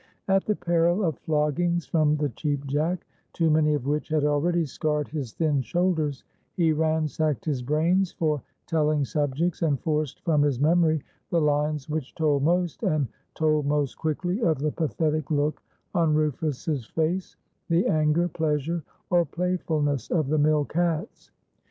At the peril of floggings from the Cheap Jack, too many of which had already scarred his thin shoulders, he ransacked his brains for telling subjects, and forced from his memory the lines which told most, and told most quickly, of the pathetic look on Rufus's face, the anger, pleasure, or playfulness of the mill cats.